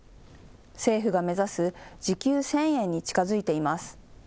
政府が目指す時給１０００円に近づいています。